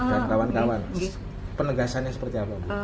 dan kawan kawan penegasannya seperti apa bu